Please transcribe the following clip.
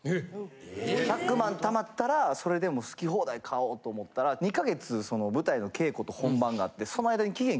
貯まったらそれで好き放題買おうと思ったら２か月舞台の稽古と本番があってその間に。